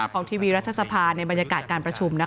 ทีวีรัฐสภาในบรรยากาศการประชุม